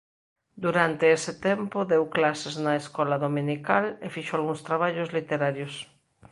Durante ese tempo deu clases na escola dominical e fixo algúns traballos literarios.